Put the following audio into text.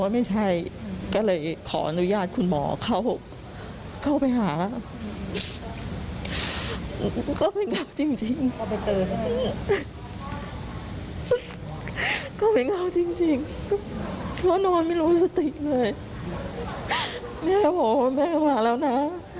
แม่พอแม่ก็มาแล้วนะ